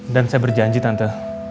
dan saya berjanji tante